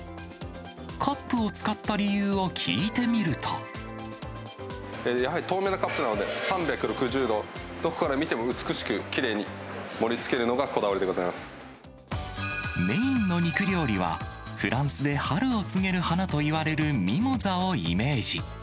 カップを使った理由を聞いてみるやはり透明なカップなので、３６０度どこから見ても美しくきれいに盛り付けるのがこだわりでメインの肉料理は、フランスで春を告げる花といわれるミモザをイメージ。